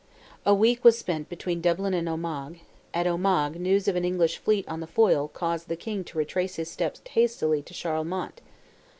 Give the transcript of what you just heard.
A week was spent between Dublin and Omagh; at Omagh news of an English fleet on the Foyle caused the King to retrace his steps hastily to Charlemont.